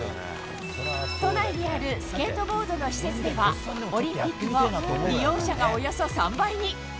都内にあるスケートボードの施設ではオリンピック後利用者がおよそ３倍に。